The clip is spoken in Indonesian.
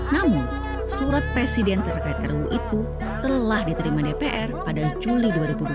namun surat presiden terkait ruu itu telah diterima dpr pada juli dua ribu dua puluh